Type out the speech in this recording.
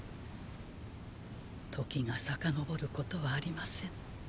時が遡ることはありません。